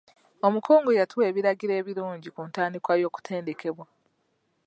Omukungu yatuwa ebiragiro ebirungi ku ntandikwa y'okutendekebwa.